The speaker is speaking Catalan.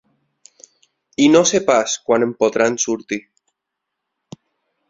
I no sé pas quan en podran sortir.